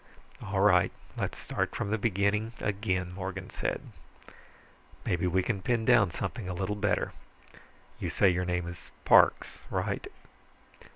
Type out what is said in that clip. "All right, let's start from the beginning again," Morgan said. "Maybe we can pin something down a little better. You say your name is Parks right?"